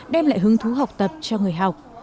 đem lại hứng thú học tập cho người học